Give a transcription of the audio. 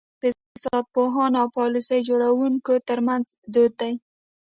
درېیم نظر د اقتصاد پوهانو او پالیسۍ جوړوونکو ترمنځ دود دی.